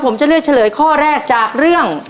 ผมจะเลือกเฉลยข้อแรกจากเรื่อง